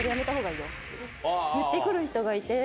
言って来る人がいて。